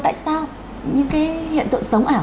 tại sao những cái hiện tượng sống ảo